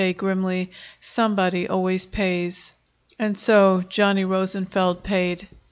grimly. "Somebody always pays." And so Johnny Rosenfeld paid.